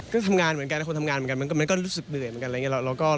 ก็ทำงานเหมือนกันนะคนทำงานเหมือนกันมันก็รู้สึกเหนื่อยเหมือนกันอะไรอย่างนี้